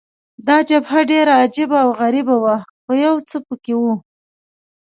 دا جبهه ډېره عجبه او غریبه وه، خو یو څه په کې وو.